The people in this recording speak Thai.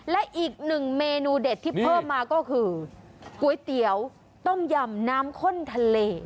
และอีกหนึ่งเมนูเด็ดที่เพิ่มมาก็คือก๋วยเตี๋ยวต้มยำน้ำข้นทะเล